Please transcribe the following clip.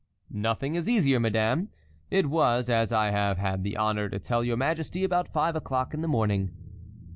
"Nothing is easier, madame. It was, as I have had the honor to tell your majesty, about five o'clock in the morning."